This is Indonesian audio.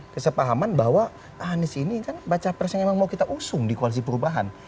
kesepahaman bahwa anies ini kan baca pres yang memang mau kita usung di koalisi perubahan